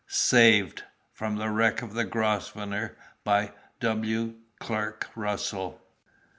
SAVED (From The Wreck of the Grosvenor.) By W. CLARK RUSSELL.